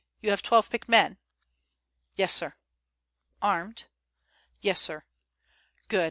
"You have twelve picked men?" "Yes, sir." "Armed?" "Yes, sir." "Good.